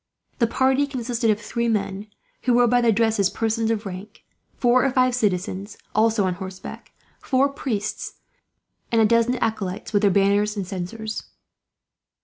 The party consisted of three men who were, by their dresses, persons of rank; four or five citizens, also on horseback; four priests, and a dozen acolytes, with banners and censers.